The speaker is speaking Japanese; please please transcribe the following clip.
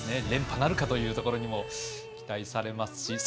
連覇なるかというところも期待されますし。